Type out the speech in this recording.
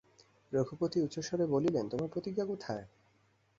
রঘুপতি উচ্চস্বরে বলিলেন, তোমার প্রতিজ্ঞা কোথায়?